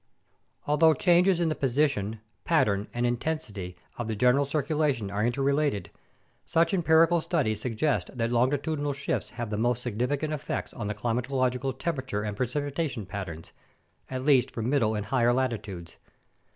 Although changes in the position, pattern, and intensity of the gen eral circulation are interrelated, such empirical studies suggest that longitudinal shifts have the most significant effects on the climatological temperature and precipitation patterns, at least for middle and higher latitudes.